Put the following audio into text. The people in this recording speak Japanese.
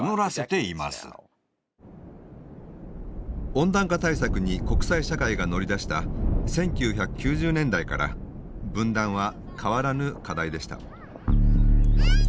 温暖化対策に国際社会が乗り出した１９９０年代から分断は変わらぬ課題でした。